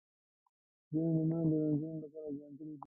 • ځینې نومونه د نجونو لپاره ځانګړي دي.